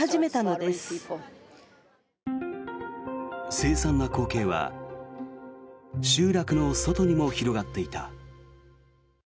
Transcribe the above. せい惨な光景は集落の外にも広がっていた。